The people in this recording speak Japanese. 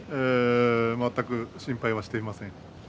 全く心配はしていません。